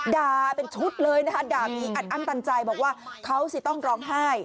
ด่าเป็นชุดเลยนะคะด่าผีอัดอั้นตันใจบอกว่าเขาสิต้องร้องไห้